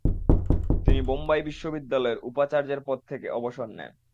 তিনি বোম্বাই বিশ্ববিদ্যালয়ের উপাচার্যের পদ থেকে অবসর নেন।